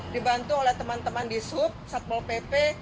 dibantu oleh teman teman di sub satpol pp